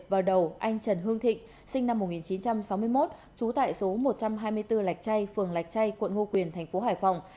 vào đầu anh trần hương thịnh sinh năm một nghìn chín trăm sáu mươi một trú tại số một trăm hai mươi bốn lạch chay phường lạch chay quận ngô quyền thành phố hải phòng